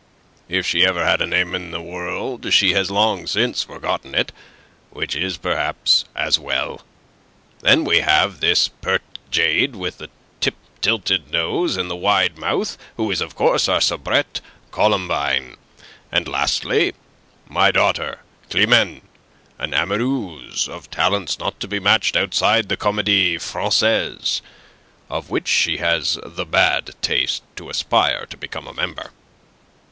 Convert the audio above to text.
If she ever had a name in the world, she has long since forgotten it, which is perhaps as well. Then we have this pert jade with the tip tilted nose and the wide mouth, who is of course our soubrette Columbine, and lastly, my daughter Climene, an amoureuse of talents not to be matched outside the Comedie Francaise, of which she has the bad taste to aspire to become a member."